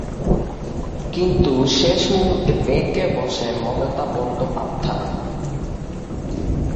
কিন্তু শেষ মুহূর্তে বেঁকে বসেন মমতা বন্দ্যোপাধ্যায়।